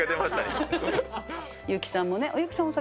優木さんもね。